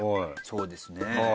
そうですね。